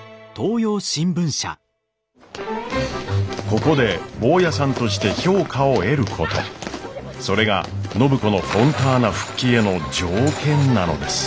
ここでボーヤさんとして評価を得ることそれが暢子のフォンターナ復帰への条件なのです。